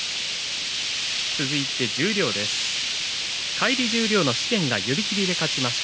返り十両の紫雷が寄り切りで勝ちました。